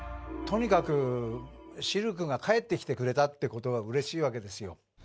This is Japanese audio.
とにかくシルクが帰ってきてくれたってことがうれしいわけですよ。